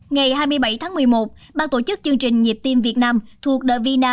ngày hai mươi bảy tháng một mươi một ban tổ chức chương trình nhịp tim việt nam thuộc the vina